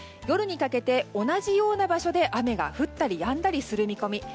夜にかけて、同じような場所で雨が降ったりやんだりする見込み。